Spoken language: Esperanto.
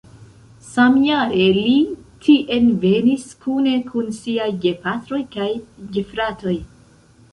Samjare li tien venis kune kun siaj gepatroj kaj gefratoj.